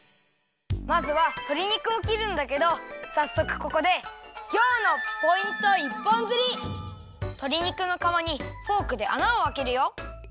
まずはとり肉をきるんだけどさっそくここでとり肉のかわにフォークであなをあけるよ。